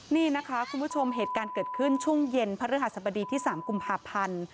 นี่นะคะคุณผู้ชมเหตุการณ์เกิดขึ้นช่วงเย็นพระฤหัสบดีที่๓กุมภาพันธ์